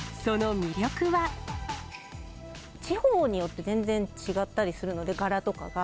地方によって全然違ったりするので、柄とかが。